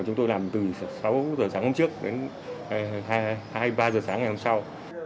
chúng tôi làm từ sáu giờ sáng hôm trước đến hai ba giờ sáng ngày hôm sau